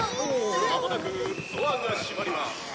まもなくドアが閉まります。